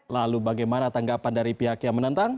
lalu bagaimana tanggapan dari pihak yang menentang